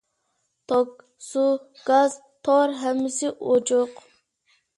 توك، سۇ، گاز، تور ھەممىسى ئوچۇق.